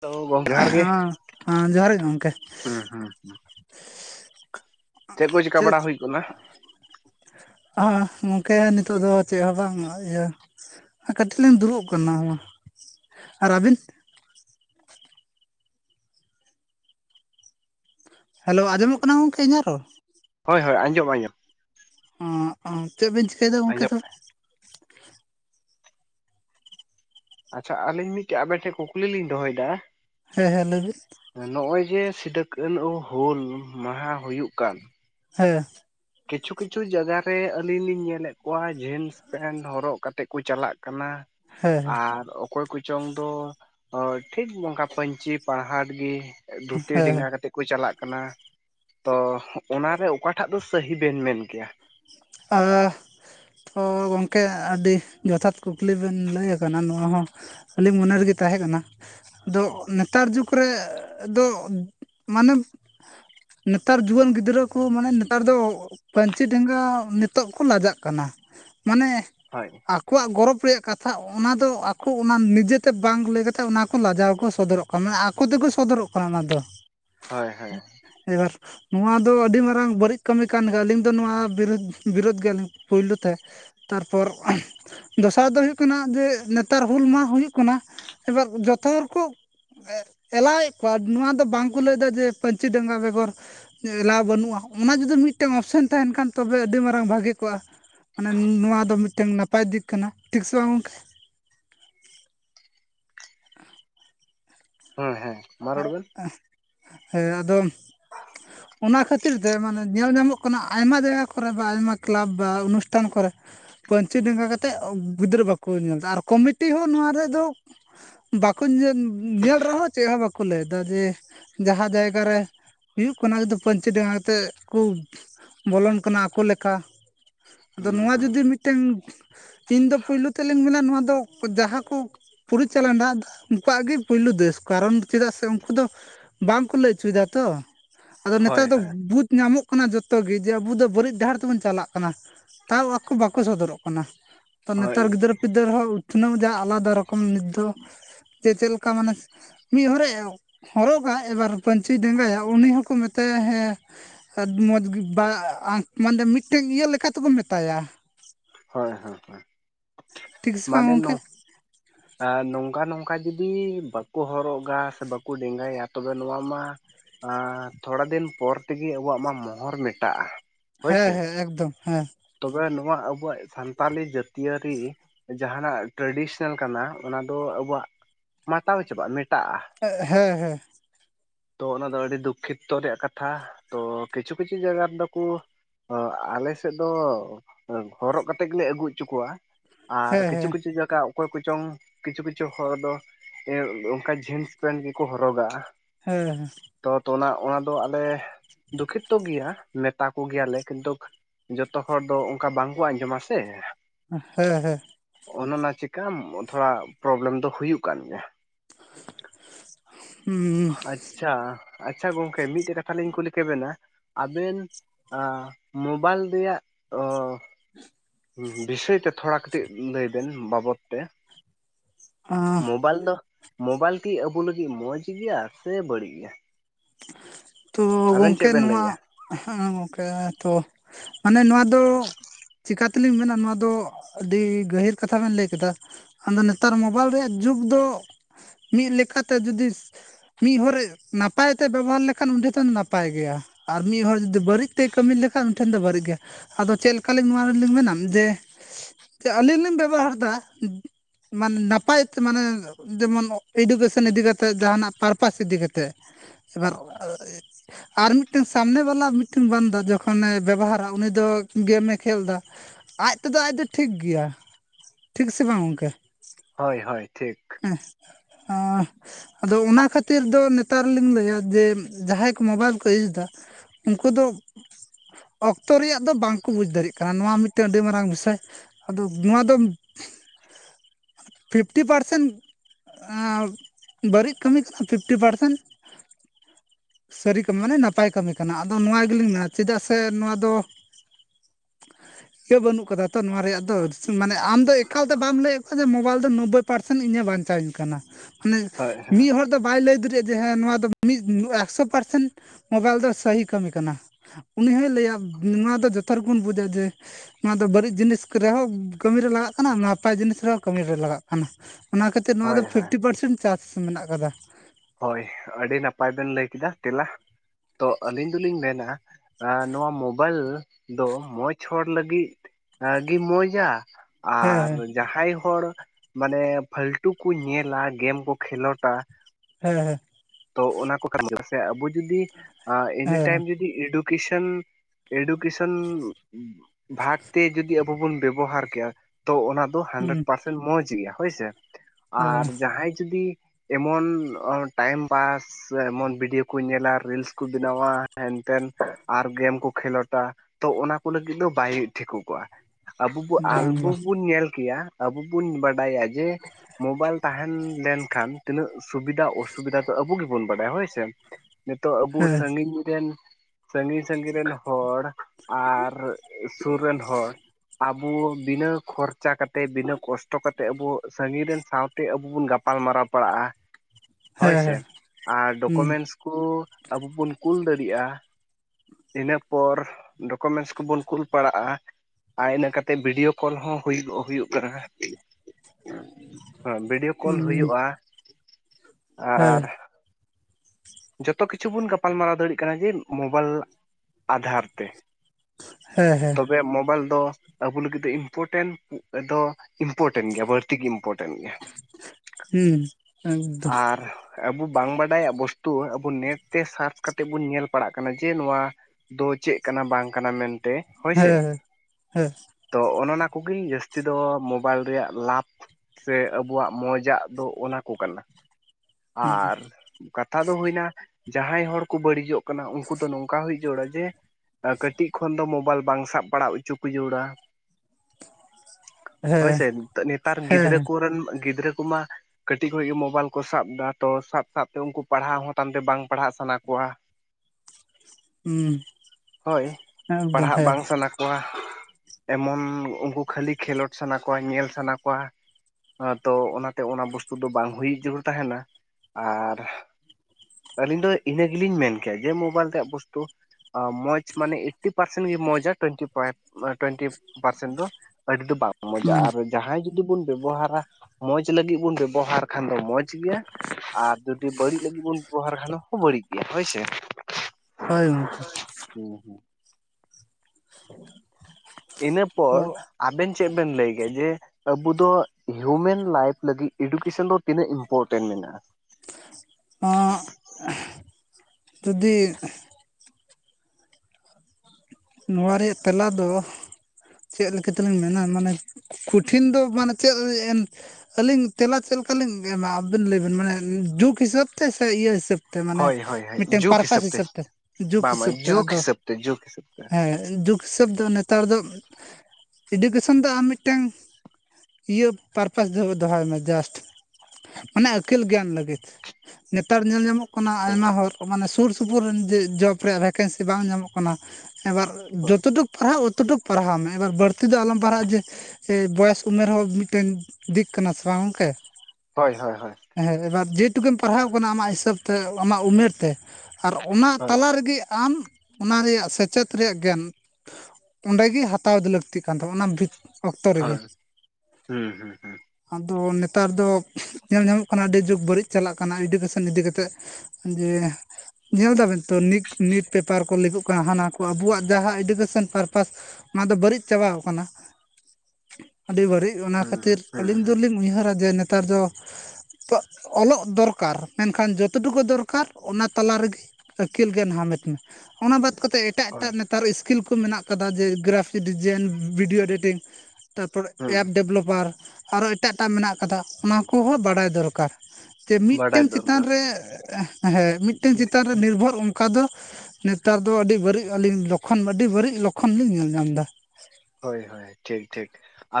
Hello ᱜᱚᱝ ᱡᱚᱦᱟᱨ ᱜᱮ ᱦᱮᱸ ᱦᱮᱸ ᱡᱚᱦᱟᱨ ᱜᱮ ᱜᱚᱝᱠᱮ ᱦᱩᱸ ᱦᱩᱸ ᱦᱩᱸ ᱪᱮᱫ ᱠᱚ ᱪᱤᱠᱟ ᱵᱟᱲᱟ ᱦᱩᱭ ᱠᱟᱱᱟ [unintelligible] ᱠᱮ ᱱᱤᱛᱚᱜ ᱫᱚ ᱪᱮᱫ ᱦᱚᱸ ᱵᱟᱝ ᱱᱚᱜᱼᱚᱭ ᱤᱭᱟᱹ ᱠᱟᱹᱴᱤᱡ ᱞᱤᱧ ᱫᱩᱲᱩᱵ ᱠᱟᱱᱟ ᱟᱨ ᱟᱹᱵᱤᱱ ᱦᱮᱞᱳ ᱟᱸᱡᱚᱢ ᱠᱟᱱᱟ ᱜᱚᱝᱠᱮ ᱤᱧᱟᱹᱜ ᱨᱚᱲ ᱦᱳᱭ ᱦᱳᱭ ᱟᱸᱡᱚᱢ ᱟᱸᱡᱚᱢ ᱪᱮ ᱵᱮᱤᱱ ᱪᱤᱠᱟᱹᱭ ᱫᱟ ᱜᱚᱝᱠᱮ ᱟᱸᱡᱚᱢ ᱛᱚᱵᱮ ᱟᱪᱪᱷᱟ ᱟᱹᱞᱤᱧ ᱢᱤᱫᱴᱮᱡ ᱟᱵᱮᱱ ᱴᱷᱮᱱ ᱠᱩᱠᱞᱤ ᱞᱤᱧ ᱫᱚᱦᱚᱭ ᱫᱟ ᱦᱮᱸ ᱦᱮᱸ ᱞᱟᱹᱭᱵᱤᱱ ᱱᱚᱜ ᱜᱮ ᱡᱮ ᱥᱤᱫᱩ ᱠᱟᱱᱦᱩ ᱦᱩᱞ ᱢᱟᱦᱟ ᱦᱩᱭᱩᱜ ᱠᱟᱱ [unintelligible] ᱠᱤᱪᱷᱩ ᱠᱤᱪᱷᱩ ᱡᱟᱭᱜᱟ ᱨᱮ ᱟᱹᱞᱤᱧ ᱞᱤᱧ ᱧᱮᱞᱮᱫ ᱠᱚᱣᱟ ᱡᱤᱱᱥ ᱯᱮᱱᱴ ᱦᱚᱨᱚᱜ ᱠᱟᱛᱮᱫ ᱠᱚ ᱪᱟᱞᱟᱜ ᱠᱟᱱᱟ ᱦᱮᱸ ᱟᱨ [unintelligible] ᱚᱠᱚᱭ ᱠᱚᱪᱚᱝ ᱫᱚ ᱴᱷᱤᱠ ᱚᱱᱠᱟ ᱯᱟᱹᱧᱪᱤ ᱯᱟᱲᱦᱟᱰ ᱜᱮ ᱫᱷᱩᱛᱤ ᱰᱮᱸᱜᱟ ᱠᱟᱛᱮᱜ ᱠᱚ ᱪᱟᱞᱟᱜ ᱠᱟᱱᱟ ᱛᱚ ᱚᱱᱟᱨᱮ ᱚᱠᱟᱴᱟᱜ ᱫᱚ ᱥᱟᱹᱦᱤ ᱵᱮᱱ ᱢᱮᱱ ᱠᱮᱭᱟ [unintelligible] [inaudible] ᱛᱚ ᱜᱚᱢᱠᱮ ᱟᱹᱰᱤ ᱡᱚᱛᱷᱟᱛ ᱠᱩᱠᱞᱤ ᱵᱮᱱ ᱞᱟᱹᱭ ᱠᱟᱱᱟ ᱱᱚᱣᱟ ᱦᱚᱸ ᱠᱷᱟᱹᱞᱤ ᱢᱚᱱᱮ ᱨᱮ ᱜᱮ ᱛᱟᱦᱮᱸ ᱠᱟᱱᱟ ᱫᱚ ᱱᱮᱛᱟᱨ ᱡᱩᱜᱽ ᱨᱮ ᱫᱚ ᱢᱟᱱᱮ ᱱᱮᱛᱟᱨ ᱡᱩᱣᱟᱹᱱ ᱜᱤᱫᱽᱨᱟᱹ ᱠᱚ ᱢᱟᱱᱮ ᱱᱮᱛᱟᱨ ᱫᱚ ᱯᱟᱹᱧᱪᱤ ᱰᱮᱸᱜᱟ ᱱᱤᱛᱚᱜ ᱠᱚ ᱞᱟᱡᱟᱜ ᱠᱟᱱᱟ ᱢᱟᱱᱮ ᱦᱳᱭ ᱟᱠᱚᱣᱟᱜ ᱜᱚᱨᱚᱵ ᱨᱮᱭᱟᱜ ᱠᱟᱛᱷᱟ ᱚᱱᱟ ᱫᱚ ᱟᱠᱚ ᱚᱱᱟ ᱱᱤᱡᱮ ᱛᱮ ᱵᱟᱝ ᱞᱟᱹᱭ ᱠᱟᱛᱮᱫ ᱚᱱᱟ ᱠᱚ ᱞᱟᱡᱟᱣ ᱠᱚ ᱥᱚᱫᱚᱨᱚᱜ ᱠᱟᱱᱟ ᱢᱟᱱᱮ ᱟᱠᱚ ᱛᱮᱠᱚ ᱥᱚᱫᱚᱨᱚᱜ ᱠᱟᱱᱟ ᱚᱱᱟ ᱫᱚ ᱦᱳᱭ ᱦᱳᱭ ᱮᱵᱟᱨ ᱱᱚᱣᱟ ᱫᱚ ᱟᱹᱰᱤ ᱢᱟᱨᱟᱝ ᱵᱟᱹᱲᱤᱡ ᱠᱟᱹᱢᱤ ᱠᱟᱱ ᱜᱮᱭᱟ ᱟᱹᱞᱤᱧ ᱫᱚ ᱱᱚᱣᱟ ᱵᱤᱨᱩᱫᱽ ᱵᱤᱨᱳᱫ ᱜᱮᱭᱟᱞᱤᱧ ᱯᱩᱭᱞᱩ ᱛᱮ ᱛᱟᱨᱯᱚᱨ ᱫᱚᱥᱟᱨ ᱫᱚ ᱦᱩᱭᱩᱜ ᱠᱟᱱᱟ ᱡᱮ ᱱᱮᱛᱟᱨ ᱦᱩᱞ ᱢᱟᱦᱟ ᱦᱩᱭᱩᱜ ᱠᱟᱱᱟ ᱮᱵᱟᱨ ᱡᱚᱛᱚ ᱦᱚᱲ ᱠᱚ ᱮᱞᱟᱣᱮᱫ ᱠᱚᱣᱟ ᱱᱚᱣᱟ ᱫᱚ ᱵᱟᱝ ᱠᱚ ᱞᱟᱹᱭᱫᱟ ᱡᱮ ᱯᱟᱹᱧᱪᱤ ᱰᱟᱸᱜᱟ ᱵᱮᱜᱚᱨ ᱮᱞᱟᱣ ᱵᱟᱹᱱᱩᱜᱼᱟ ᱚᱱᱟ ᱡᱩᱫᱤ ᱢᱤᱫᱴᱮᱱ ᱚᱯᱥᱮᱱ ᱛᱟᱦᱮᱱ ᱠᱷᱟᱱ ᱛᱚᱵᱮ ᱟᱹᱰᱤ ᱢᱟᱨᱟᱝ ᱢᱟᱨᱟᱝ ᱵᱷᱟᱹᱜᱮ ᱠᱚᱜᱼᱟ ᱢᱟᱱᱮ ᱱᱚᱣᱟ ᱫᱚ ᱢᱤᱫᱴᱝ ᱱᱟᱯᱟᱭ ᱫᱤᱠ ᱠᱟᱱᱟ ᱴᱷᱤᱠ ᱥᱮ ᱵᱟᱝ ᱜᱚᱢᱠᱮ [inaudible] ᱦᱚᱭ ᱦᱚᱭ [unintelligible] ᱦᱮᱸ ᱟᱫᱚ ᱚᱱᱟ ᱠᱷᱟᱹᱛᱤᱨ ᱛᱮ ᱢᱟᱱᱮ ᱧᱮᱞ ᱧᱟᱢᱚᱜ ᱠᱟᱱᱟ ᱟᱭᱢᱟ ᱡᱟᱭᱜᱟ ᱠᱚ ᱨᱮ ᱫᱚ ᱟᱭᱢᱟ ᱠᱞᱟᱵᱽ ᱵᱟ ᱚᱱᱩᱥᱴᱷᱟᱱ ᱠᱚ ᱨᱮ ᱯᱟᱹᱧᱪᱤ ᱰᱮᱸᱜᱟ ᱠᱟᱛᱮᱫ ᱜᱤᱫᱽᱨᱟᱹ ᱵᱟᱠᱚ ᱧᱮᱞᱫᱟ ᱟᱨ ᱠᱚᱢᱤᱴᱤ ᱦᱚᱸ ᱱᱚᱣᱟ ᱨᱮ ᱫᱚ ᱵᱟᱠᱚ ᱧᱮᱞ ᱧᱮᱞ ᱨᱮ ᱦᱚᱸ ᱪᱮᱫ ᱦᱚᱸ ᱵᱟᱠᱚ ᱠᱚ ᱞᱟᱹᱭᱮᱫᱟ ᱡᱮ ᱡᱟᱦᱟᱸ ᱡᱟᱭᱜᱟ ᱨᱮ ᱦᱩᱭᱩᱜ ᱠᱟᱱᱟ ᱯᱟᱹᱧᱪᱤ ᱰᱮᱸᱜᱟ ᱠᱟᱛᱮᱫ ᱠᱩ ᱵᱚᱞᱚᱱ ᱠᱟᱱᱟ ᱟᱠᱚ ᱞᱮᱠᱟ ᱟᱫᱚ ᱦᱩᱸ ᱱᱚᱣᱟ ᱦᱩᱸ ᱡᱩᱫᱤ ᱢᱤᱫᱴᱝ ᱫᱤᱱ ᱫᱚ ᱯᱩᱭᱞᱩ ᱛᱮᱞᱤᱤᱧ ᱢᱮᱱᱟ ᱱᱚᱣᱟ ᱫᱚ ᱡᱟᱦᱟᱸ ᱠᱚ ᱯᱚᱨᱤᱪᱟᱞᱱᱟ ᱫᱟᱫᱽ ᱩᱱᱠᱩᱣᱟᱜ ᱜᱮ ᱯᱩᱭᱞᱩ ᱫᱮᱥ ᱠᱟᱨᱚᱱ ᱪᱮᱫᱟᱜ ᱥᱮ ᱩᱱᱠᱩ ᱫᱚ ᱵᱟᱝᱠᱚ ᱞᱟᱹᱭ ᱚᱪᱚᱭᱮᱫᱟ ᱛᱚ ᱟᱫᱚ ᱦᱳᱭ ᱱᱮᱛᱟᱨ ᱫᱚ ᱦᱳᱭ ᱵᱩᱫ ᱧᱟᱢᱚᱜ ᱠᱟᱱᱟ ᱡᱚᱛᱚ ᱜᱮ ᱡᱮ ᱟᱵᱚ ᱫᱚ ᱵᱟᱹᱲᱤᱡ ᱰᱟᱦᱟᱨ ᱛᱮᱵᱚᱱ ᱪᱟᱞᱟᱜ ᱠᱟᱱᱟ ᱛᱟᱣ ᱟᱠᱚ ᱵᱟᱠᱚ ᱥᱚᱫᱚᱨᱚᱜ ᱠᱟᱱᱟ ᱛᱚ ᱦᱳᱭ ᱱᱮᱛᱟᱨ ᱜᱤᱫᱽᱨᱟᱹ [inaudible] ᱩᱛᱱᱟᱹᱣ ᱡᱟᱦᱟ ᱟᱞᱟᱫᱟ ᱨᱚᱠᱚᱢ ᱱᱤᱛ ᱫᱚ ᱡᱮ ᱪᱮᱫ ᱞᱮᱠᱟ ᱢᱟᱱᱮ ᱢᱤᱫ ᱦᱚᱨᱮ ᱦᱚᱨᱚᱜᱟ ᱠᱟ ᱮᱵᱟᱨ ᱯᱟᱹᱧᱪᱤᱭ ᱰᱮᱸᱜᱟᱭᱟ ᱩᱱᱤ ᱦᱚᱸᱠᱚ ᱢᱮᱛᱟᱭᱟ ᱦᱮᱸ [inaudible] ᱢᱤᱫᱴᱟᱝ ᱤᱭᱟᱹ ᱞᱮᱠᱟ ᱛᱮᱠᱚ ᱢᱮᱛᱟᱭᱟ ᱦᱳᱭ ᱦᱳᱭ ᱦᱳᱭ ᱴᱷᱤᱠ ᱥᱮ ᱵᱟᱝ ᱢᱟᱱᱮ ᱜᱚᱝᱠᱮ ᱱᱚᱼᱼ ᱱᱚᱝᱠᱟ ᱱᱚᱝᱠᱟ ᱡᱩᱫᱤ ᱵᱟᱠᱚ ᱦᱚᱨᱚᱜᱟ ᱥᱮ ᱵᱟᱠᱚ ᱰᱮᱸᱜᱟᱭᱟ ᱛᱚᱵᱮ ᱱᱚᱣᱟ ᱢᱟ ᱟ ᱛᱷᱚᱲᱟ ᱫᱤᱱ ᱯᱚᱨ ᱛᱮᱜᱮ ᱟᱵᱚᱣᱟᱜ ᱢᱟ ᱢᱚᱦᱚᱨ ᱢᱮᱴᱟᱜᱼᱟ ᱦᱳᱭᱥᱮ ᱦᱮᱸ ᱦᱮᱸ ᱮᱠᱫᱚᱢ ᱦᱮᱸ ᱛᱚᱵᱮ ᱱᱚᱣᱟ ᱟᱵ ᱟᱵᱚᱣᱟᱜ ᱥᱟᱱᱛᱟᱞᱤ ᱡᱟᱹᱛᱤᱭᱟᱹᱨᱤ ᱡᱟᱦᱟᱸ ᱱᱟᱜ ᱴᱨᱮᱰᱤᱥᱚᱱᱟᱞ ᱠᱟᱱᱟ ᱚᱱᱟ ᱫᱚ ᱟᱵᱚᱣᱟᱜ ᱢᱟᱛᱟᱣ ᱪᱟᱵᱟᱜᱼᱟ ᱢᱮᱴᱟᱜᱼᱟ ᱮᱜ ᱦᱮᱸ ᱦᱮᱸ ᱛᱚ ᱚᱱᱟ ᱫᱚ ᱟᱹᱰᱤ ᱫᱩᱠᱷᱤᱛᱛᱚ ᱨᱮᱭᱟᱜ ᱠᱟᱛᱷᱟ ᱛᱚ ᱠᱤᱪᱷᱩ ᱠᱤᱪᱷᱩ ᱡᱟᱭᱜᱟ ᱨᱮᱫᱚ ᱠᱚ ᱚ ᱟᱞ ᱥᱮᱫ ᱫᱚ ᱦᱚᱨᱚᱜ ᱠᱟᱛᱮᱜ ᱜᱮᱞᱮ ᱟᱹᱜᱩ ᱚᱪᱚ ᱠᱚᱣᱟ ᱟᱨ ᱦᱮᱸ ᱦᱮᱸ ᱠᱤᱪᱷᱩ ᱠᱤᱪᱷᱩ ᱡᱟᱜᱟ ᱚᱠᱚᱭ ᱠᱚᱪᱚᱝ ᱠᱤᱪᱷᱩ ᱠᱤᱪᱷᱩ ᱦᱚᱲ ᱫᱚ ᱚᱱᱠᱟ ᱡᱷᱟᱹᱞᱤᱥ ᱯᱮᱱᱴ ᱜᱮᱠᱚ ᱦᱚᱨᱚᱜᱟ ᱦᱮᱸ ᱛᱚ ᱛᱚᱱᱟ ᱚᱱᱟ ᱫᱚ ᱟᱞᱮ ᱫᱩᱠᱷᱤᱛᱛᱚ ᱜᱮᱭᱟ ᱢᱮᱛᱟ ᱠᱚᱜᱮᱭᱟᱞᱮ ᱠᱤᱱᱛᱩ ᱡᱚᱛᱚ ᱦᱚᱲ ᱫᱚ ᱚᱱᱠᱟ ᱵᱟᱝᱠᱚ ᱟᱸᱡᱚᱢᱟ ᱥᱮ ᱦᱮᱸ ᱦᱮᱸ ᱚᱱᱮ ᱚᱱᱟ ᱪᱮᱠᱟ ᱛᱷᱚᱲᱟ ᱯᱨᱚᱵᱞᱮᱢ ᱫᱚ ᱦᱳᱭ ᱠᱟᱱ ᱜᱮᱭᱟ ᱦᱩᱸ ᱦᱩᱸ ᱟᱪᱪᱷᱟ ᱟᱪᱪᱷᱟ ᱜᱚᱝᱠᱮ ᱢᱤᱫᱴᱮᱡ ᱠᱟᱛᱷᱟ ᱞᱤᱧ ᱠᱩᱞᱤ ᱠᱮᱵᱮᱱᱟ ᱟᱵᱮᱱ ᱟ ᱢᱳᱵᱟᱭᱤᱞ ᱨᱮᱭᱟᱜ ᱚ ᱵᱤᱥᱚᱭ ᱛᱮ ᱛᱷᱚᱲᱟ ᱠᱟᱹᱴᱤᱡ ᱞᱟᱹᱭ ᱵᱮᱱ ᱵᱟᱵᱚᱫ ᱛᱮ ᱟᱸ ᱢᱳᱵᱟᱭᱤᱞ ᱫᱚ ᱢᱳᱵᱟᱭᱤᱞ ᱠᱤ ᱟᱵᱚ ᱞᱟᱹᱜᱤᱫ ᱢᱚᱡᱽ ᱜᱮᱭᱟ ᱥᱮ ᱵᱟᱹᱲᱤᱡ ᱜᱮᱭᱟ ᱛᱚ ᱟᱵᱮᱱ ᱜᱚᱝᱠᱮ ᱪᱮᱫ ᱵᱮᱱ ᱱᱚᱣᱟ ᱞᱟᱹᱭᱮᱜᱼᱟ ᱦᱮ ᱜᱚᱝᱠᱮ ᱛᱚ ᱢᱟᱱᱮ ᱱᱚᱣᱟ ᱫᱚ ᱪᱤᱠᱟ ᱛᱮᱞᱤᱧ ᱢᱮᱱᱟ ᱱᱚᱣᱟ ᱫᱚ ᱟᱹᱰᱤ ᱜᱟᱹᱦᱤᱨ ᱠᱟᱛᱷᱟ ᱵᱮᱱ ᱞᱟᱹᱭ ᱠᱮᱫᱟ ᱟᱫᱚ ᱱᱮᱛᱟᱨ ᱢᱳᱵᱟᱭᱤᱞ ᱨᱮᱭᱟᱜ ᱡᱩᱜᱽ ᱫᱚ ᱢᱤᱫ ᱞᱮᱠᱟᱛᱮ ᱡᱩᱫᱤ ᱢᱤᱫ ᱦᱚᱲᱮ ᱱᱟᱯᱟᱭ ᱛᱮ ᱵᱮᱵᱚᱦᱟᱨ ᱞᱮᱠᱷᱟᱱ ᱠᱷᱟᱱ ᱩᱱᱤ ᱴᱷᱮᱱ ᱱᱟᱯᱟᱭ ᱜᱮᱭᱟ ᱟᱨ ᱢᱤᱫ ᱦᱚᱲ ᱡᱩᱫᱤ ᱵᱟᱹᱲᱤᱡ ᱛᱮᱭ ᱠᱟᱹᱢᱤ ᱞᱮᱠᱷᱟᱱ ᱩᱱᱤ ᱴᱷᱮᱱ ᱫᱚ ᱵᱟᱹᱲᱤᱡ ᱜᱮᱭᱟ ᱟᱫᱚ ᱪᱮᱫ ᱞᱮᱠᱟ ᱱᱚᱣᱟ ᱨᱮᱞᱤᱧ ᱢᱮᱱᱟ ᱡᱮ ᱟᱹᱞᱤᱧ ᱞᱤᱧ ᱵᱮᱵᱚᱦᱟᱨᱫᱟ ᱢᱟᱱᱮ ᱱᱟᱯᱟᱭ ᱛᱮ ᱢᱟᱱᱮ ᱡᱮᱢᱚᱱ ᱮᱰᱩᱠᱮᱥᱚᱱ ᱤᱫᱤ ᱠᱟᱛᱮᱫ ᱡᱟᱦᱟᱱᱟᱜ ᱯᱟᱨᱯᱟᱥ ᱤᱫᱤ ᱠᱟᱛᱮᱫ ᱮᱵᱟᱨ ᱟᱨ ᱢᱤᱫᱴᱮᱱ ᱥᱟᱢᱱᱮ ᱵᱟᱞᱟ ᱢᱤᱫᱴᱮᱱ ᱵᱟᱱᱫᱟ ᱡᱚᱠᱷᱚᱱᱮ ᱵᱮᱵᱚᱦᱟᱨᱟ ᱩᱱᱤ ᱫᱚ ᱜᱮᱢ ᱮ ᱠᱷᱮᱞ ᱫᱟ ᱟᱡ ᱛᱮᱫᱚ ᱟᱡ ᱫᱚ ᱴᱷᱤᱠ ᱜᱮᱭᱟ ᱴᱷᱤᱠ ᱥᱮ ᱵᱟᱝ ᱜᱚᱢᱠᱮ ᱦᱳᱭ ᱦᱳᱭ ᱴᱷᱤᱠ ᱚ ᱟᱫᱚ ᱚᱱᱟ ᱠᱷᱟᱹᱛᱤᱨ ᱫᱚ ᱱᱮᱛᱟᱨ ᱞᱤᱧ ᱞᱟᱹᱭᱟ ᱡᱮ ᱡᱟᱦᱟᱸᱭ ᱠᱚ ᱢᱳᱵᱟᱭᱤᱞ ᱠᱚ ᱤᱭᱩᱡᱽ ᱫᱟ ᱩᱱᱠᱩ ᱫᱚ ᱚᱠᱛᱚ ᱨᱮᱭᱟᱜ ᱫᱚ ᱵᱟᱝᱠᱚ ᱵᱩᱡᱽ ᱫᱟᱲᱮᱭᱟᱜ ᱠᱟᱱᱟ ᱱᱚᱣᱟ ᱢᱤᱫᱴᱮᱱ ᱟᱹᱰᱤ ᱢᱟᱨᱟᱝ ᱵᱤᱥᱚᱭ ᱟᱫᱚ ᱱᱚᱣᱟ ᱫᱚ ᱯᱷᱤᱯᱴᱤ ᱯᱟᱨᱥᱮᱱ ᱩᱸ ᱵᱟᱹᱲᱤᱡ ᱠᱟᱹᱢᱤ ᱠᱟᱱᱟ ᱯᱷᱤᱯᱴᱤ ᱯᱟᱨᱥᱮᱱᱴ ᱥᱟᱹᱨᱤ ᱠᱟᱹᱢᱤ ᱢᱟᱱᱮ ᱱᱟᱯᱟᱭ ᱠᱟᱹᱢᱤ ᱠᱟᱱᱟ ᱟᱫᱚ ᱱᱚᱣᱟ ᱜᱮᱞᱤᱧ ᱢᱮᱱᱟ ᱪᱮᱫᱟᱜ ᱥᱮ ᱱᱚᱣᱟ ᱫᱚ [inaudible] ᱤᱭᱟᱹ ᱵᱟᱹᱱᱩᱜ ᱟᱠᱟᱫᱟ ᱛᱚ ᱱᱚᱣᱟ ᱨᱮᱭᱟᱜ ᱫᱚ ᱢᱟᱱᱮ ᱟᱢ ᱫᱚ ᱮᱠᱟᱞᱛᱮ ᱵᱟᱢ ᱞᱟᱹᱭᱟᱫ ᱠᱚᱣᱟ ᱡᱮ ᱢᱳᱵᱟᱭᱤᱞ ᱫᱚ ᱱᱚᱵᱽᱵᱳ ᱯᱟᱨᱥᱮᱱ ᱤᱧᱮ ᱵᱟᱧᱪᱟᱣᱤᱧ ᱠᱟᱱᱟ ᱢᱟᱱᱮ ᱦᱳᱭ ᱢᱤᱫ ᱦᱚᱲ ᱫᱚ ᱵᱟᱭ ᱞᱟᱹᱭ ᱫᱟᱲᱮᱭᱟᱜᱼᱟ ᱡᱮ ᱦᱮᱸ ᱱᱚᱣᱟ ᱫᱚ ᱢᱤᱫ ᱧᱼᱟ ᱮᱠᱥᱳ ᱯᱟᱨᱥᱮᱱ ᱢᱳᱵᱟᱭᱤᱞ ᱫᱚ ᱥᱟᱹᱦᱤ ᱠᱟᱹᱢᱤ ᱠᱟᱱᱟ ᱩᱱᱤ ᱦᱚᱭ ᱞᱟᱹᱭᱟ ᱱᱚᱣᱟ ᱫᱚ ᱡᱚᱛᱚ ᱦᱚᱲ ᱵᱚᱱ ᱵᱩᱡᱟ ᱡᱮ ᱱᱚᱣᱟ ᱫᱚ ᱵᱟᱹᱲᱤᱡ ᱡᱤᱱᱤᱥ ᱨᱮᱦᱚᱸ ᱠᱟᱹᱢᱤᱨᱮ ᱞᱟᱜᱟᱜ ᱠᱟᱱᱟ ᱱᱟᱯᱟᱭ ᱡᱤᱱᱤᱥ ᱨᱮᱦᱚᱸ ᱠᱟᱹᱢᱤᱨᱮ ᱞᱟᱜᱟᱜ ᱠᱟᱱᱟ ᱚᱱᱟ ᱠᱷᱟᱹᱛᱤᱨ ᱱᱚᱣᱟ ᱫᱚ ᱦᱳᱭ ᱦᱳᱭ ᱯᱷᱤᱯᱴᱤ ᱯᱟᱨᱥᱮᱱ ᱪᱟᱥ ᱢᱮᱱᱟᱜ ᱟᱠᱟᱫᱟ ᱦᱳᱭ ᱟᱹᱰᱤ ᱱᱟᱯᱟᱭ ᱵᱮᱱ ᱞᱟᱹᱭ ᱠᱮᱫᱟ ᱛᱮᱞᱟ ᱛᱚ ᱟᱹᱞᱤᱧ ᱫᱚᱞᱤᱧ ᱢᱮᱱᱟ ᱮ ᱱᱚᱣᱟ ᱢᱚᱵᱟᱭᱤᱞ ᱫᱚ ᱢᱚᱡᱽ ᱦᱚᱲ ᱞᱟᱹᱜᱤᱫ ᱟᱰᱤ ᱢᱚᱡᱟ ᱦᱮᱸ ᱟᱨ ᱦᱮᱸ ᱡᱟᱦᱟᱸᱭ ᱦᱚᱲ ᱢᱟᱱᱮ ᱯᱷᱟᱞᱛᱩ ᱠᱚ ᱧᱮᱞᱟ ᱜᱮᱢ ᱠᱚ ᱠᱷᱮᱞᱳᱰᱟ ᱦᱮᱸ ᱦᱮᱸ ᱛᱚ ᱚᱱᱟ ᱠᱚ ᱠᱟᱨ [unintelligible] ᱥᱮ ᱟᱵᱚ ᱡᱩᱫᱤ ᱦᱮᱸ ᱮᱱᱤᱴᱟᱭᱤᱢ ᱡᱩᱫᱤ ᱮᱰᱩᱠᱮᱥᱚᱱ ᱮᱰᱩᱠᱮᱥᱚᱱ ᱵᱷᱟᱜᱽᱛᱮ ᱡᱩᱫᱤ ᱟᱵᱚ ᱵᱚᱱ ᱵᱮᱵᱚᱦᱟᱨ ᱠᱮᱜᱼᱟ ᱛᱚ ᱚᱱᱟ ᱦᱟᱱᱰᱨᱮᱰ ᱦᱮᱸ ᱯᱟᱨᱥᱮᱱ ᱢᱚᱸᱡᱽ ᱜᱮᱭᱟ ᱦᱳᱭᱥᱮ ᱦᱮᱸ ᱟᱨ ᱡᱟᱦᱟᱸᱭ ᱡᱩᱫᱤ ᱮᱢᱚᱱ ᱴᱟᱭᱤᱢ ᱯᱟᱥ ᱮᱢᱚᱱ ᱵᱷᱤᱰᱭᱳ ᱠᱚ ᱧᱮᱞᱟ ᱨᱤᱞᱥ ᱠᱚ ᱵᱮᱱᱟᱣᱟ ᱦᱮᱱᱛᱮᱱ ᱟᱨ ᱜᱮᱢ ᱠᱚ ᱠᱷᱮᱞᱳᱰᱟ ᱛᱚ ᱚᱱᱟ ᱠᱚ ᱞᱟᱹᱜᱤᱫ ᱫᱚ ᱵᱟᱭ ᱴᱷᱤᱠ ᱠᱚᱜᱼᱟ ᱟᱵᱚ ᱵᱚ ᱦᱮᱸ ᱵᱟᱝ ᱟᱞᱵᱚ ᱵᱟᱝ ᱵᱚᱱ ᱧᱮᱞ ᱠᱮᱭᱟ ᱟᱵᱚ ᱵᱚᱱ ᱵᱟᱰᱟᱭᱟ ᱡᱮ ᱢᱳᱵᱟᱭᱤᱞ ᱛᱟᱦᱮᱱ ᱞᱮᱱ ᱠᱷᱟᱱ ᱛᱤᱱᱟᱹᱜ ᱥᱩᱵᱤᱫᱟ ᱚᱥᱩᱵᱤᱫᱟ ᱟᱵᱚ ᱜᱮᱵᱚᱱ ᱵᱟᱲᱟᱭᱟ ᱦᱳᱭ ᱥᱮ ᱱᱤᱛᱚᱜ ᱟᱵᱚ ᱦᱮᱸ ᱥᱟᱺᱜᱤᱧ ᱨᱮᱱ ᱥᱟᱺᱜᱤᱧ ᱥᱟᱺᱜᱤᱧ ᱨᱮᱱ ᱦᱚᱲ ᱟᱨ ᱥᱩᱨ ᱨᱮᱱ ᱦᱚᱲ ᱟᱵᱚ ᱟᱵᱚ ᱵᱤᱱᱟᱹ ᱠᱷᱚᱨᱪᱟ ᱠᱟᱛᱮ ᱵᱤᱱᱟᱹ ᱠᱚᱥᱴᱚ ᱠᱟᱛᱮ ᱟᱵᱚ ᱥᱟᱺᱜᱤᱧ ᱨᱮᱱ ᱥᱟᱶᱛᱮ ᱟᱵᱚ ᱵᱚᱱ ᱜᱟᱼᱼ ᱜᱟᱯᱟᱞᱢᱟᱨᱟᱣ ᱯᱟᱲᱟᱜᱼᱟ ᱦᱮᱸ ᱦᱳᱭ ᱥᱮ ᱦᱮᱸ ᱟᱨ ᱦᱩᱸ ᱰᱚᱠᱚᱢᱮᱱᱥ ᱠᱚ ᱟᱵᱚ ᱵᱚᱱ ᱠᱩᱞ ᱫᱟᱲᱮᱭᱟᱜᱼᱟ ᱤᱱᱟᱹ ᱯᱚᱨ ᱰᱚᱠᱚᱢᱮᱱᱥ ᱠᱚᱵᱚᱱ ᱠᱩᱞ ᱯᱟᱲᱟᱜᱼᱟ ᱟᱨ ᱤᱱᱟᱹ ᱠᱟᱛᱮᱫ ᱵᱷᱤᱰᱭᱳ ᱠᱚᱞ ᱦᱚᱸ ᱦᱩᱭ ᱠᱚᱜ ᱦᱩᱭᱩᱜ ᱠᱟᱱᱟ ᱦᱮᱸ ᱵᱤᱰᱤᱭᱳ ᱠᱚᱞ ᱦᱩᱸ ᱦᱩᱭᱩᱜᱼᱟ ᱟᱨ ᱦᱮᱸ ᱡᱚᱛᱚ ᱠᱤᱪᱷᱩ ᱵᱚᱱ ᱜᱟᱯᱟᱞᱢᱟᱨᱟᱣ ᱫᱟᱲᱮᱭᱟᱜ ᱠᱟᱱᱟ ᱡᱮ ᱢᱳᱵᱟᱭᱤᱞ ᱟᱫᱷᱟᱨ ᱛᱮ ᱦᱮᱸ ᱦᱮᱸ ᱛᱚᱵᱮ ᱢᱳᱵᱟᱭᱤᱞ ᱫᱚ ᱟᱵᱚ ᱞᱟᱹᱜᱤᱫ ᱫᱚ ᱤᱢᱯᱚᱴᱮᱱᱴ ᱫᱚ ᱤᱢᱯᱚᱴᱮᱱ ᱜᱮᱭᱟ ᱵᱟᱹᱲᱛᱤ ᱜᱮ ᱤᱢᱯᱚᱴᱮᱱ ᱜᱮᱭᱟ ᱦᱩᱸ ᱮᱠᱫᱚᱢ ᱟᱨ ᱟᱵᱚ ᱵᱟᱝ ᱵᱟᱰᱟᱭᱟᱜ ᱵᱚᱥᱛᱩ ᱟᱵᱚ ᱱᱮᱴ ᱛᱮ ᱥᱟᱨᱪᱷ ᱠᱟᱛᱮᱫ ᱵᱚᱱ ᱧᱮᱞ ᱯᱟᱲᱟᱜ ᱠᱟᱱᱟ ᱡᱮ ᱱᱚᱣᱟ ᱫᱚ ᱪᱮᱫ ᱠᱟᱱᱟ ᱵᱟᱝ ᱠᱟᱱᱟ ᱢᱮᱱᱛᱮ ᱦᱳᱭᱥᱮ ᱦᱮᱸ ᱦᱮᱸ ᱛᱚ ᱚᱱᱮ ᱚᱱᱟ ᱠᱚᱜᱮ ᱡᱟᱹᱥᱛᱤ ᱫᱚ ᱢᱳᱵᱟᱭᱤᱞ ᱨᱮᱭᱟᱜ ᱞᱟᱵᱷ ᱥᱮ ᱟᱵᱚᱣᱟᱜ ᱢᱚᱡᱟᱜ ᱫᱚ ᱚᱱᱟ ᱠᱚ ᱠᱟᱱᱟ ᱟᱨ ᱠᱟᱛᱷᱟ ᱫᱚ ᱦᱩᱭᱱᱟ ᱡᱟᱦᱟᱸᱭ ᱦᱚᱲ ᱠᱚ ᱵᱟᱹᱲᱤᱡᱚᱜ ᱠᱟᱱᱟ ᱩᱱᱠᱩ ᱫᱚ ᱱᱚᱝᱠᱟ ᱦᱩᱭ ᱡᱟᱲᱩᱲᱟ ᱡᱮ ᱠᱟᱹᱴᱤᱡ ᱠᱷᱚᱱ ᱫᱚ ᱢᱳᱵᱟᱭᱤᱞ ᱵᱟᱝ ᱥᱟᱵ ᱵᱟᱲᱟ ᱚᱪᱚ ᱠᱚ ᱡᱟᱹᱨᱩᱨᱟ ᱦᱮᱸ ᱦᱳᱭᱥᱮ ᱱᱮᱛᱟᱨ ᱦᱮᱸ ᱜᱤᱫᱽᱨᱟᱹ ᱠᱚᱨᱮᱱ ᱜᱤᱫᱽᱨᱟᱹ ᱠᱚᱢᱟ ᱠᱟᱹᱴᱤᱡ ᱠᱷᱚᱡ ᱜᱮ ᱢᱳᱵᱟᱭᱤᱞ ᱠᱚ ᱥᱟᱵ ᱮᱫᱟ ᱛᱚ ᱥᱟᱵ ᱥᱟᱵ ᱛᱮ ᱩᱱᱠᱩ ᱯᱟᱲᱦᱟᱣ ᱦᱚᱸ ᱛᱟᱢᱛᱮ ᱵᱟᱝ ᱯᱟᱲᱦᱟᱜ ᱥᱟᱱᱟ ᱠᱚᱣᱟ ᱦᱮᱸ ᱦᱳᱭ ᱮᱠᱫᱚᱢ ᱯᱟᱲᱦᱟᱜ ᱦᱮᱸ ᱵᱟᱝ ᱥᱟᱱᱟ ᱠᱚᱣᱟ ᱮᱢᱚᱱ ᱩᱱᱠᱩ ᱠᱷᱟᱹᱞᱤ ᱠᱷᱮᱞᱳᱰ ᱥᱟᱱᱟ ᱠᱚᱣᱟ ᱧᱮᱞ ᱥᱟᱱᱟ ᱠᱚᱣᱟ ᱛᱚ ᱚᱱᱟᱛᱮ ᱚᱱᱟ ᱵᱚᱥᱛᱩ ᱫᱚ ᱵᱟᱝ ᱦᱩᱭ ᱡᱟᱹᱨᱩᱲ ᱛᱟᱦᱮᱱᱟ ᱟᱨ ᱟᱹᱞᱤᱧ ᱫᱚ ᱤᱱᱟᱹ ᱜᱮᱞᱤᱧ ᱢᱮᱱ ᱠᱮᱭᱟ ᱡᱮ ᱢᱳᱵᱟᱭᱤᱞ ᱨᱮᱭᱟᱜ ᱵᱚᱥᱛᱩ ᱢᱚᱸᱡᱽ ᱢᱟᱱᱮ ᱮᱭᱴᱴᱤ ᱯᱟᱨᱥᱮᱱ ᱜᱮ ᱢᱚᱸᱡᱽᱟ ᱴᱩᱭᱮᱱᱴᱤ ᱯᱚᱭᱮᱱᱴᱤ [unintelligible] ᱴᱩᱭᱮᱱᱴᱤ ᱯᱟᱨᱥᱮᱱ ᱫᱚ ᱟᱹᱰᱤ ᱫᱚ ᱵᱟᱝ ᱢᱚᱡᱟ ᱦᱩᱸ ᱟᱨ ᱡᱟᱦᱟᱸᱭ ᱡᱩᱫᱤ ᱵᱚᱱ ᱵᱮᱵᱚᱦᱟᱨᱟ ᱢᱚᱡᱽ ᱞᱟᱹᱜᱤᱫ ᱵᱚᱱ ᱵᱮᱵᱚᱦᱟᱨ ᱠᱷᱟᱱ ᱫᱚ ᱢᱚᱸᱡᱽ ᱜᱮᱭᱟ ᱟᱨ ᱡᱩᱫᱤ ᱵᱟᱹᱲᱤᱡ ᱞᱟᱹᱜᱤᱫ ᱵᱚᱱ ᱵᱮᱵᱚᱦᱟᱨ ᱠᱷᱟᱱ ᱫᱚ ᱵᱟᱹᱲᱤᱡ ᱜᱮᱭᱟ ᱦᱳᱭ ᱥᱮ ᱾ ᱦᱳᱭ ᱜᱚᱝᱠᱮ ᱦᱩᱸ ᱦᱩᱸ ᱾ [inaudible] ᱤᱱᱟᱹ ᱛᱚ ᱯᱚᱨ ᱟᱵᱮᱱ ᱪᱮᱫ ᱵᱮᱱ ᱞᱟᱹᱭ ᱠᱮᱫ ᱡᱮ ᱟᱹᱵᱩ ᱫᱚ ᱦᱤᱭᱩᱢᱮᱱ ᱞᱟᱭᱤᱯᱷ ᱞᱟᱹᱜᱤᱫ ᱮᱰᱩᱠᱮᱥᱚᱱ ᱫᱚ ᱛᱤᱱᱟᱹᱜ ᱤᱢᱯᱚᱨᱴᱮᱱᱴ ᱢᱮᱱᱟᱜᱼᱟ ᱾ ᱟᱸᱻ ᱡᱩᱫᱤ ᱱᱚᱣᱟ ᱨᱮᱭᱟᱜ ᱛᱮᱞᱟ ᱫᱚ ᱪᱮᱫ ᱞᱮᱠᱟ ᱛᱮᱞᱤᱧ ᱢᱮᱱᱟ ᱢᱟᱱᱮ ᱠᱚᱴᱷᱤᱱ ᱫᱚ ᱢᱟᱱᱮ ᱪᱮᱫ [unintelligible] ᱟᱹᱞᱤᱧ ᱛᱮᱞᱟ ᱪᱮᱫ ᱞᱮᱠᱟᱞᱤᱧ ᱮᱢᱟ ᱟᱵᱮᱱ ᱞᱟᱹᱭᱵᱮᱱ ᱢᱟᱱᱮ ᱡᱩᱜᱽ ᱦᱤᱥᱟᱹᱵ ᱛᱮ ᱥᱮ ᱤᱭᱟᱹ ᱦᱤᱥᱟᱹᱵᱽ ᱛᱮ ᱛᱮ ᱢᱟᱱᱮ ᱦᱳᱭ ᱦᱳᱭ ᱦᱳᱭ ᱢᱤᱫᱴᱮᱱ ᱡᱩᱜᱽ ᱯᱟᱨᱯᱟᱥ ᱦᱤᱥᱟᱹᱵ ᱦᱤᱥᱟᱹᱵᱽ ᱛᱮ ᱡᱩᱜᱽ ᱵᱟᱝ ᱵᱟᱝ ᱦᱤᱥᱟᱹᱵᱽ ᱛᱮ ᱡᱩᱜᱽ ᱟᱫᱚ ᱦᱤᱥᱟᱹᱵ ᱛᱮ ᱡᱩᱜᱽ ᱦᱤᱥᱟᱹᱵᱽ ᱼᱼ ᱡᱩᱜᱽ ᱦᱤᱥᱟᱹᱵ ᱫᱚ ᱱᱮᱛᱟᱨ ᱫᱚ ᱮᱰᱩᱠᱮᱥᱚᱱ ᱫᱚ ᱟᱢ ᱢᱤᱫᱴᱮᱱ ᱤᱭᱟᱹ ᱯᱟᱨᱯᱟᱥ ᱫᱚ ᱫᱚᱦᱚᱭ ᱢᱮ ᱡᱟᱥᱴ ᱢᱟᱱᱮ ᱟᱹᱠᱤᱞ ᱜᱮᱭᱟᱱ ᱞᱟᱹᱜᱤᱫ ᱱᱮᱛᱟᱨ ᱧᱮᱞ ᱧᱟᱢᱚᱜᱼᱼ ᱦᱳᱭ ᱟᱭᱢᱟ ᱦᱚᱲ ᱢᱟᱱᱮ ᱥᱩᱨ ᱥᱩᱯᱩᱨ ᱨᱮᱱ ᱡᱮ ᱡᱚᱵ ᱨᱮᱭᱟᱜ ᱵᱷᱮᱠᱮᱱᱥᱤ ᱵᱟᱝ ᱧᱟᱢᱚᱜ ᱠᱟᱱᱟ᱾ ᱮᱵᱟᱨ ᱦᱳᱭ ᱡᱚᱛᱚᱴᱩᱠ ᱯᱟᱲᱦᱟᱜ ᱚᱛᱚᱴᱩᱠ ᱯᱟᱲᱦᱟᱣ ᱢᱮ, ᱮᱵᱟᱨ ᱵᱟᱹᱲᱛᱤ ᱫᱚ ᱟᱞᱚᱢ ᱯᱟᱲᱦᱟᱜᱼᱟ, ᱡᱮ ᱵᱚᱭᱚᱥ ᱩᱢᱮᱨ ᱦᱚᱸ ᱢᱤᱫᱴᱮᱱ ᱫᱤᱠ ᱠᱟᱱᱟ ᱥᱮ ᱵᱟᱝ ᱜᱚᱝᱠᱮ ᱦᱳᱭ ᱦᱳᱭ ᱦᱳᱭ ᱾ ᱦᱮᱸ ᱮᱵᱟᱨ ᱡᱮ ᱴᱩᱠᱩᱢ ᱯᱟᱲᱦᱟᱣ ᱟᱠᱟᱱᱟ ᱟᱢᱟᱜ ᱦᱤᱥᱟᱹᱵ ᱛᱮ ᱟᱢᱟᱜ ᱩᱢᱮᱨ ᱛᱮ ᱟᱨ ᱚᱱᱟ ᱦᱳᱭ ᱛᱟᱞᱟ ᱨᱮᱜᱮ ᱟᱢ ᱚᱱᱟ ᱨᱮᱭᱟᱜ ᱥᱮᱪᱮᱫᱼᱼ [unintelligible] ᱜᱮᱭᱟᱱ ᱚᱸᱰᱮ ᱜᱮ ᱦᱟᱛᱟᱣ ᱞᱟᱹᱠᱛᱤᱜ ᱠᱟᱱ ᱛᱟᱵᱚᱱᱟ ᱚᱱᱟᱼᱼ ᱚᱠᱛᱚ ᱨᱮᱜᱮ ᱦᱳᱭ ᱦᱩᱸ ᱦᱩᱸ ᱦᱩᱸ ᱟᱫᱚ ᱱᱮᱛᱟᱨ ᱫᱚ ᱧᱮᱞ ᱧᱟᱢᱚᱜ ᱠᱟᱱᱟ ᱟᱹᱰᱤ ᱡᱩᱜᱽ ᱵᱟᱹᱲᱤᱡ ᱪᱟᱞᱟᱜ ᱠᱟᱱᱟ ᱮᱰᱩᱠᱮᱥᱚᱱ ᱤᱫᱤ ᱠᱟᱛᱮ ᱡᱮ ᱧᱮᱞ ᱫᱟᱵᱮᱱ ᱛᱚ ᱱᱤ ᱱᱤᱴ ᱯᱮᱯᱟᱨ ᱠᱚ ᱞᱤᱠᱚ ᱠᱟᱱᱟ, ᱦᱟᱱᱟ ᱠᱚ ᱟᱵᱚᱣᱟᱜ ᱡᱟᱦᱟᱸ ᱮᱰᱩᱠᱮᱥᱚᱱ ᱯᱟᱨᱯᱟᱥ ᱚᱱᱟ ᱫᱚ ᱵᱟᱹᱲᱤᱡ ᱪᱟᱵᱟᱣ ᱠᱟᱱᱟ ᱾ ᱟᱹᱰᱤ ᱵᱟᱹᱲᱤᱡ ᱚᱱᱟ ᱦᱩᱸ ᱠᱷᱟᱹᱛᱤᱨ ᱦᱩᱸ ᱟᱹᱞᱤᱧ ᱦᱩᱸ ᱫᱚᱞᱤᱧ ᱩᱭᱦᱟᱹᱨᱟ ᱡᱮ, ᱱᱮᱛᱟᱨ ᱫᱚ ᱚᱞᱚᱜ ᱫᱚᱨᱠᱟᱨ ᱢᱮᱱᱠᱷᱟᱱ ᱡᱚᱛᱚ ᱴᱩᱠᱩ ᱫᱚᱨᱠᱟᱨ ᱚᱱᱟ ᱛᱟᱞᱟ ᱨᱮᱜᱮ ᱟᱹᱠᱤᱞ ᱜᱮᱭᱥᱱ ᱦᱟᱢᱮᱴ ᱢᱮ ᱚᱱᱟ ᱵᱟᱫ ᱠᱟᱛᱮ ᱮᱴᱟᱜ ᱦᱳᱭ ᱮᱴᱟᱜ ᱱᱮᱛᱟᱨ ᱤᱥᱠᱤᱞ ᱠᱚ ᱢᱮᱱᱟᱜ ᱠᱟᱫᱟ ᱡᱮ, ᱜᱨᱟᱯᱷᱤᱠ ᱰᱤᱡᱟᱭᱤᱱ ᱵᱷᱤᱰᱭᱳ ᱮᱰᱤᱴᱤᱝ ᱛᱟᱯᱚᱨ ᱦᱩᱸ ᱮᱯ ᱰᱮᱵᱞᱚᱯᱟᱨ ᱟᱨᱚ ᱮᱴᱟᱜ ᱮᱴᱟᱜ ᱢᱮᱱᱟᱜ ᱠᱟᱫᱟ ᱚᱱᱟ ᱠᱚᱦᱚᱸ ᱵᱰᱲᱟᱭ ᱫᱚᱨᱠᱟᱨ᱾ ᱡᱮ ᱵᱟᱰᱟᱭ ᱢᱤᱫᱴᱮᱝ ᱪᱮᱛᱟᱱ ᱫᱚᱨᱠᱟᱨ ᱨᱮ, ᱦᱮᱸ ᱢᱤᱫᱴᱮᱝ ᱪᱮᱛᱟᱱ ᱱᱤᱨᱵᱷᱚᱨ ᱚᱱᱠᱟ ᱫᱚ ᱱᱮᱛᱟᱨ ᱫᱚ ᱟᱹᱰᱤ ᱵᱟᱹᱲᱤᱡ᱾ ᱟᱹᱞᱤᱧ ᱞᱚᱠᱷᱚᱱ ᱟᱹᱰᱤ ᱵᱟᱹᱲᱤᱡ ᱞᱚᱠᱷᱚᱱ ᱞᱤᱧ ᱧᱮᱞ ᱧᱟᱢ ᱫᱟ ᱾ ᱦᱳᱭ ᱦᱳᱭ ᱾ ᱴᱷᱤᱠ ᱴᱷᱤᱠ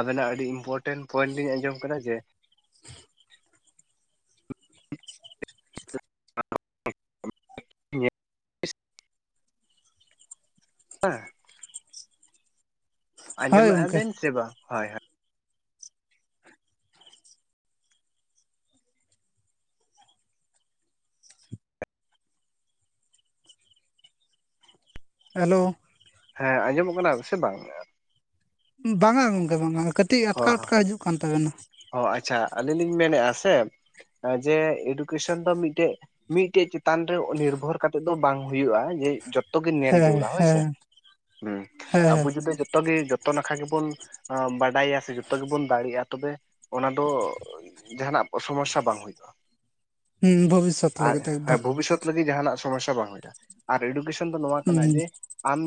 ᱟᱵᱮᱱᱟᱜ ᱟᱹᱰᱤ ᱤᱢᱯᱴᱮᱱᱴ ᱯᱚᱭᱮᱱᱴ ᱞᱤᱧ ᱟᱸᱡᱚᱢ ᱠᱟᱫᱟ ᱡᱮ, [inaudible] [unintelligible] [unintelligible] ᱦᱮᱸ ᱦᱳᱭ ᱟᱸᱡᱚᱢᱮᱜᱼᱟ ᱜᱚᱝᱠᱮ ᱵᱤᱱ ᱥᱮ ᱵᱟᱝ? ᱦᱳᱭ ᱦᱳᱭ ᱾ ᱦᱮᱞᱳ ᱾ ᱦᱮᱸ ᱟᱸᱡᱚᱢᱚᱜ ᱠᱟᱱᱟ ᱥᱮ ᱵᱟᱝ? ᱵᱟᱝᱟ ᱜᱚᱝᱠᱮ ᱵᱟᱝᱟ, ᱠᱟᱹᱴᱤᱡ ᱟᱴᱠᱟ ᱟᱴᱠᱟ ᱦᱤᱡᱩᱜ ᱠᱟᱱ ᱛᱟᱵᱮᱱᱟ ᱾ ᱚ ᱟᱪᱪᱷᱟ ᱾ ᱟᱹᱞᱤᱧ ᱞᱤᱧ ᱢᱮᱱᱮᱜᱼᱟ ᱥᱮ ᱡᱮ ᱮᱰᱩᱠᱮᱥᱚᱱ ᱫᱚ ᱢᱤᱜᱴᱮᱜ ᱢᱤᱜᱴᱮᱜ ᱪᱮᱛᱟᱱ ᱨᱮ ᱱᱤᱨᱵᱷᱚᱨ ᱠᱟᱛᱮ ᱫᱚ ᱵᱟᱝ ᱦᱩᱭᱩᱜᱼᱟ, ᱡᱮ ᱡᱚᱛ ᱡᱚᱛᱚ ᱜᱮ ᱧᱮᱞ ᱦᱮᱸ ᱡᱟᱹᱨᱲᱟ ᱦᱳᱭ ᱥᱮ, ᱦᱮᱸ ᱦᱩᱸ ᱦᱮᱸ ᱟᱵᱚ ᱦᱮᱸ ᱡᱩᱫᱤ ᱡᱚᱛᱚ ᱜᱮ ᱡᱚᱛᱚ ᱱᱟᱠᱷᱟ ᱜᱮᱵᱚᱱ ᱵᱟᱰᱟᱭᱟ ᱥᱮ ᱡᱚᱛᱚ ᱜᱮᱵᱚᱱ ᱫᱟᱲᱮᱜᱼᱟ, ᱛᱚᱵᱮ ᱚᱱᱟ ᱫᱚ ᱡᱟᱦᱟᱸ ᱱᱟᱜ ᱥᱚᱢᱚᱥᱥᱟ ᱵᱟᱝ ᱦᱩᱭᱩᱜᱼᱟ ᱾ ᱦᱩᱸ ᱵᱷᱚᱵᱤᱥᱥᱚᱛ ᱟᱨ ᱞᱟᱹᱜᱤᱫ ᱦᱮᱸ ᱮᱠᱫᱚᱢ ᱵᱷᱚᱵᱤᱥᱚᱛ ᱞᱟᱹᱜᱤᱜ ᱡᱟᱦᱟᱱᱟᱜ ᱥᱚᱢᱚᱥᱥᱟ ᱵᱟᱝ ᱦᱩᱭᱩᱜᱼᱟ, ᱟᱨ ᱮᱰᱩᱠᱮᱥᱚᱱ ᱫᱚ ᱱᱚᱣᱟ ᱦᱩᱸ ᱠᱟᱱᱟ ᱦᱮᱸ ᱡᱮ ᱟᱢ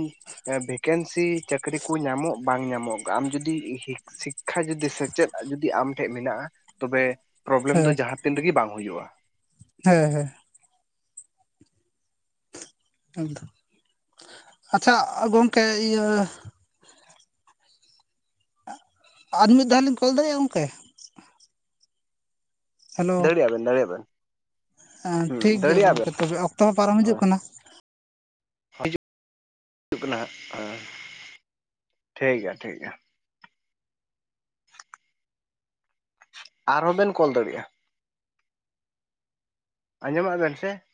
ᱵᱷᱮᱠᱮᱱᱥᱤ ᱪᱟᱹᱠᱨᱤ ᱠᱚ ᱧᱟᱢᱚᱜ ᱵᱟᱝ ᱧᱟᱢᱚᱜ ᱟᱢ ᱡᱩᱫᱤ ᱥᱤᱠᱠᱷᱟ ᱡᱩᱫᱤ, ᱥᱮᱪᱮᱫᱽ ᱡᱩᱫᱤ ᱡᱩᱫᱤ ᱟᱢ ᱴᱷᱮᱜ ᱢᱮᱱᱟᱜᱼᱟ, ᱛᱚᱵᱮ ᱯᱨᱚᱵᱽᱞᱮᱢ ᱫᱚ ᱡᱟᱦᱟᱸ ᱛᱤᱱ ᱨᱮᱜᱮ ᱵᱟᱝ ᱦᱩᱭᱩᱜᱼᱟ᱾ ᱦᱮᱸᱻᱦᱮᱸᱻ᱾ ᱟᱪᱪᱷᱟ ᱜᱚᱢᱠᱮ ᱤᱭᱟᱹ ᱟᱨ ᱢᱤᱫᱽ ᱫᱷᱟᱹᱣ ᱞᱤᱧ ᱠᱚᱞᱫᱟᱲᱮᱭᱟᱜᱼᱟ ᱜᱚᱝᱠᱮ? ᱦᱮᱞᱳ ᱞᱟᱹᱭ ᱫᱟᱲᱮᱭᱟᱜᱼᱟ ᱵᱮᱱ ᱫᱟᱲᱮᱜᱼᱟ ᱵᱮᱱ᱾ ᱦᱩᱸ ᱴᱷᱤᱠ ᱜᱮᱭᱟ ᱫᱟᱲᱮᱭᱟᱜ ᱜᱚᱝᱠᱮ ᱵᱮᱱ ᱛᱚᱵᱮ ᱚᱠᱛᱚ ᱦᱚᱸ ᱯᱟᱨᱚᱢ ᱦᱤᱡᱩᱜ ᱦᱳᱭ ᱠᱟᱱᱟ᱾ ᱦᱤᱡᱩᱜ ᱠᱟᱱᱟ ᱦᱟᱸᱜ ᱦᱮᱸ ᱴᱷᱤᱠ ᱜᱮᱭᱟ ᱴᱷᱤᱠ ᱜᱮᱭᱟ᱾ ᱟᱨᱦᱚ ᱵᱮᱱ ᱠᱚᱞ ᱫᱟᱲᱮᱜᱼᱟ᱾ ᱟᱸᱡᱚᱢᱮᱜᱼᱟ ᱵᱮᱱ ᱥᱮ?